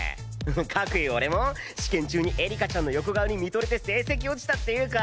かくいう俺も試験中にエリカちゃんの横顔に見とれて成績落ちたっていうか？